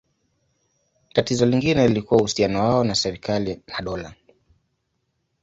Tatizo lingine lilikuwa uhusiano wao na serikali na dola.